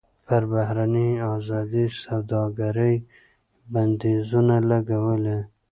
پر بهرنۍ ازادې سوداګرۍ یې بندیزونه لګولي.